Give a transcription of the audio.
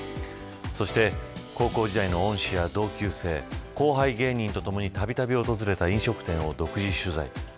そして、高校時代の恩師や同級生後輩芸人とともにたびたび訪れた飲食店を独自取材。